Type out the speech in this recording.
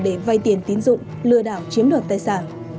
để vay tiền tiến dụng lừa đảo chiếm đoạt tài sản